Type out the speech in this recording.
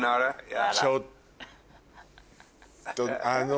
ちょっとあの。